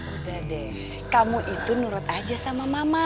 udah deh kamu itu nurut aja sama mama